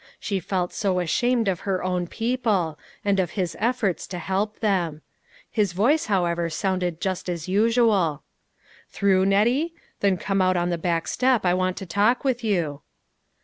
She felt so ashamed of her own people, and of his efforts to help them. His voice, however, sounded just as usual. "Through, Nettie? Then come out on the back step ; I want to talk with you."